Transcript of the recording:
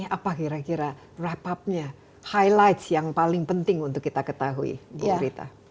apa kira kira wrap up nya highlight yang paling penting untuk kita ketahui bu rita